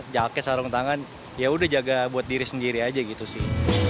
jaket sarung tangan ya udah jaga buat diri sendiri aja gitu sih